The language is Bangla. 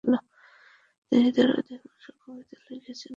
তিনি তার অধিকাংশ কবিতাই লিখেছিলেন কিশোর বয়সে।